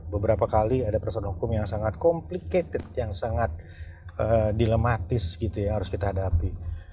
beberapa kali ada perasaan hukum yang sangat complicated yang sangat dilematis gitu ya yang harus kita hadapi